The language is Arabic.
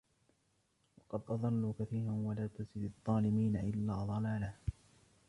وَقَدْ أَضَلُّوا كَثِيرًا وَلَا تَزِدِ الظَّالِمِينَ إِلَّا ضَلَالًا